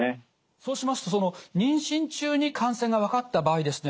そうしますと妊娠中に感染が分かった場合ですね